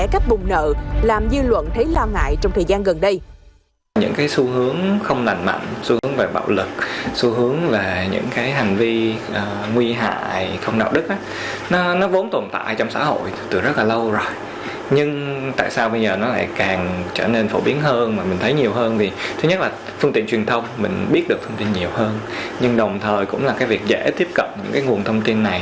để các bùng nợ làm dư luận thấy lo ngại trong thời gian gần đây